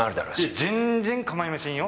いや全然構いませんよ